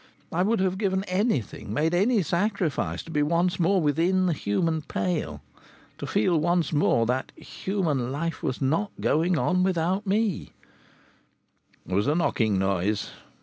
I would have given anything, made any sacrifice, to be once more within the human pale, to feel once more that human life was not going on without me. There was a knocking below.